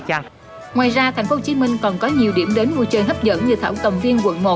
chăng ngoài ra thành phố hồ chí minh còn có nhiều điểm đến môi trời hấp dẫn như thảo cầm viên